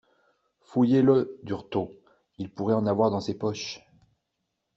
Fouillez-le, Durtot: il pourrait en avoir dans ses poches.